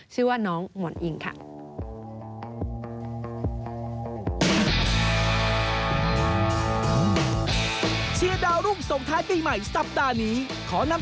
ชื่อว่าน้องหมอนอิงค่ะ